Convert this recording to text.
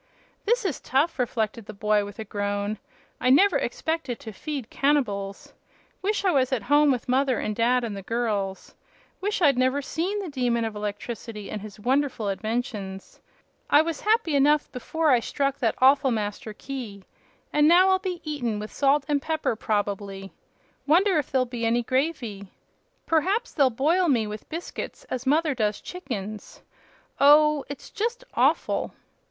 "This is tough," reflected the boy, with a groan. "I never expected to feed cannibals. Wish I was at home with mother and dad and the girls. Wish I'd never seen the Demon of Electricity and his wonderful inventions. I was happy enough before I struck that awful Master Key. And now I'll be eaten with salt and pepper, probably. Wonder if there'll be any gravy. Perhaps they'll boil me, with biscuits, as mother does chickens. Oh h h h h! It's just awful!"